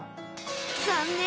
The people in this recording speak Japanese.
残念！